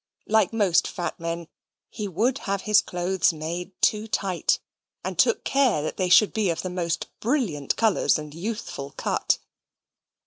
Like most fat men, he would have his clothes made too tight, and took care they should be of the most brilliant colours and youthful cut.